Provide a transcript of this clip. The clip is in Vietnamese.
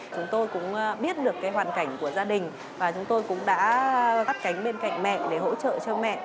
chúng tôi cũng biết được hoàn cảnh của gia đình và chúng tôi cũng đã gắt cánh bên cạnh mẹ để hỗ trợ cho mẹ